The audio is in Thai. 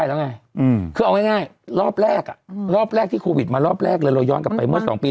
แล้วไงคือเอาง่ายรอบแรกอ่ะรอบแรกที่โควิดมารอบแรกเลยเราย้อนกลับไปเมื่อสองปี